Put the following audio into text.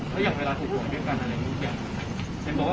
ตามร่ายที่กันหมดค่ะ